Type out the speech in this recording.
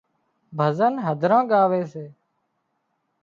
ڀزن هڌران ڳاوي سي